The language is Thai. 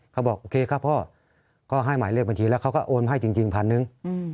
เขาบอกโอเคครับพ่อก็ให้หมายเลขบัญชีแล้วเขาก็โอนให้จริงพันหนึ่ง